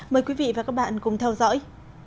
mời quý vị và các bạn cùng theo dõi